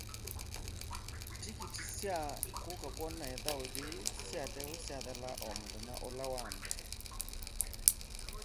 The invitations to attend this performance were sold out in the first day.